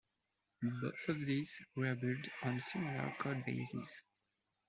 Both of these were built on similar codebases.